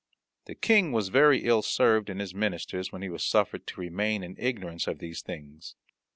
The King was very ill served in his ministers when he was suffered to remain in ignorance of these things.